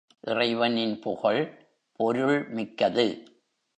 இறைவனின் புகழ் பொருள் மிக்கது.